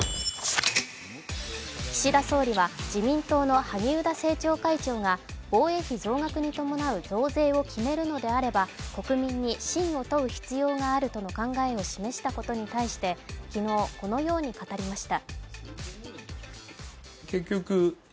岸田総理は自民党の萩生田政調会長が防衛費増額に伴う増税を決めるのであれば国民に信を問う必要があるとの考えを示したことに対して、昨日、このように語りました。